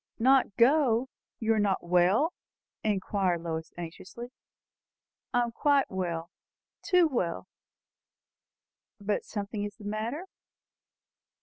"Not go? You are not well?" inquired Lois anxiously. "I am quite well too well!" "But something is the matter?"